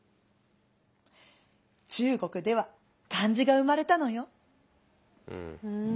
中国では漢字が生まれたのよ。